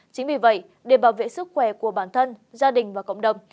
chính vì vậy để bảo vệ sức khỏe của bản thân gia đình và cộng đồng